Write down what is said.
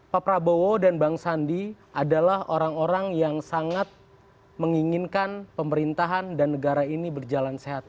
pak prabowo dan bang sandi adalah orang orang yang sangat menginginkan pemerintahan dan negara ini berjalan sehat